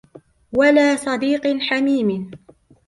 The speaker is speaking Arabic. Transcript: وَلَا صَدِيقٍ حَمِيمٍ